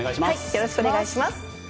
よろしくお願いします。